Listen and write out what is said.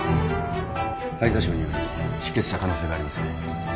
肺挫傷により出血した可能性がありますね。